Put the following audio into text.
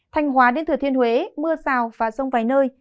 thanh hóa đến thừa thiên huế mưa rào và rông vài nơi